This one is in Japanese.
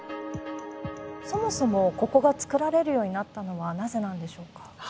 そもそもここが造られるようになったのはなぜなんでしょうか